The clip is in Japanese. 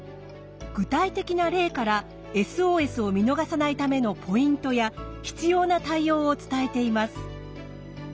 具体的な例からＳＯＳを見逃さないためのポイントや必要な対応を伝えています。